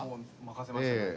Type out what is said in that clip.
任せましたよ。